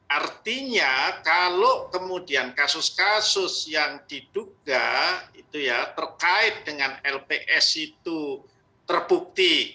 artinya kalau kemudian kasus kasus yang diduga itu ya terkait dengan lps itu terbukti